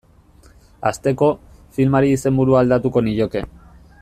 Hasteko, filmari izenburua aldatuko nioke.